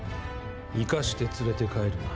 生かして連れて帰るな。